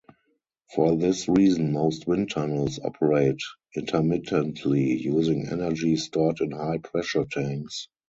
For this reason most wind tunnels operate intermittently using energy stored in high-pressure tanks.